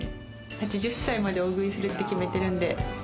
８０歳まで大食いするって決めてるんで。